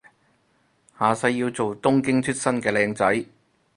下世要做東京出身嘅靚仔